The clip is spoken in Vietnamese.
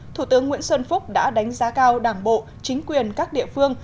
thủ tướng nguyễn xuân phúc đã đánh giá cao đảng bộ chính quyền các địa phương